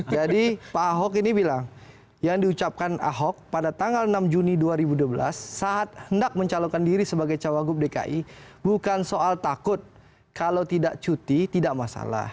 jadi pak ahok ini bilang yang diucapkan ahok pada tanggal enam juni dua ribu dua belas saat hendak mencalonkan diri sebagai cawagup dki bukan soal takut kalau tidak cuti tidak masalah